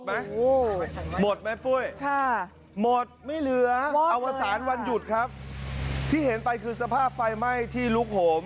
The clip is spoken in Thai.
หมดไหมปุ้ยค่ะหมดไม่เหลืออวสารวันหยุดครับที่เห็นไปคือสภาพไฟไหม้ที่ลุกโหม